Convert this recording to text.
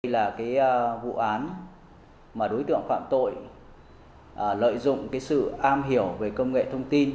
cơ quan đối tượng phạm tội lợi dụng sự am hiểu về công nghệ thông tin